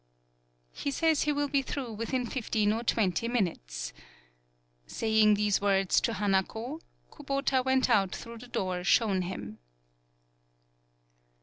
"He says he will be through within fifteen or twenty minutes." Saying these words to Hanako, Kubota went out through the door shown him.